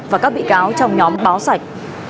và các bị cáo trong nhóm báo sạch